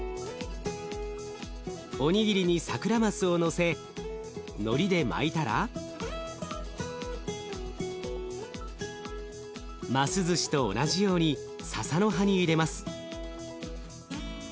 おにぎりにサクラマスをのせのりで巻いたらますずしと同じようにささの葉に入れます。